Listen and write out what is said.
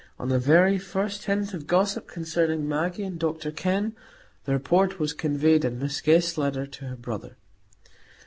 On the very first hint of gossip concerning Maggie and Dr Kenn, the report was conveyed in Miss Guest's letter to her brother.